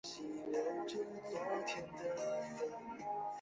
姚李遗址的历史年代为新石器时代至青铜时代。